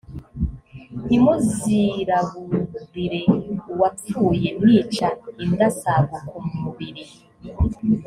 ntimuziraburire uwapfuye mwica indasago ku mubiri